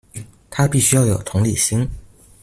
它必須要有同理心